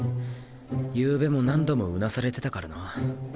ゆうべも何度もうなされてたからな。